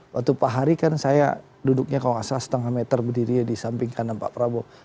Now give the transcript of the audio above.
waktu pak hari kan saya duduknya kalau nggak salah setengah meter berdiri di samping kanan pak prabowo